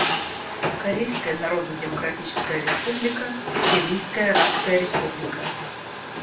Корейская Народно-Демократическая Республика, Сирийская Арабская Республика.